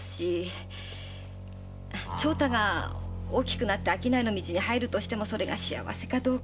長太が大きくなって商いの道に入ってもそれが幸せかどうか。